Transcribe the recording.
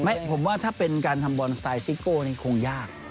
ผมว่าถ้าเป็นการทำบอลสไตล์ซิโก้นี่คงยาก